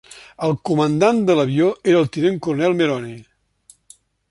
El comandant de l'avió era el tinent coronel Meroni.